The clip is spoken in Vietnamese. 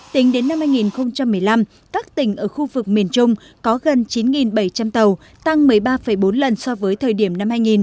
tính đến năm hai nghìn một mươi năm các tỉnh ở khu vực miền trung có gần chín bảy trăm linh tàu tăng một mươi ba bốn lần so với thời điểm năm hai nghìn